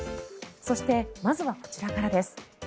そして、まずはこちらからです。